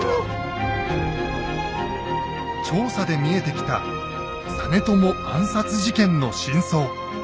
調査で見えてきた実朝暗殺事件の真相。